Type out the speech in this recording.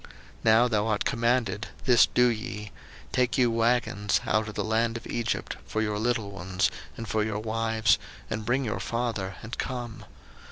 01:045:019 Now thou art commanded, this do ye; take you wagons out of the land of Egypt for your little ones, and for your wives, and bring your father, and come.